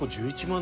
１１万？